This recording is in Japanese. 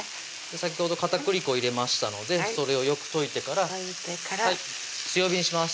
先ほど片栗粉を入れましたのでそれをよく溶いてから溶いてからはい強火にします